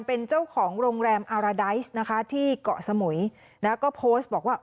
เป็นเจ้าของโรงแรมอาราไดซ์นะคะที่เกาะสมุยแล้วก็โพสต์บอกว่า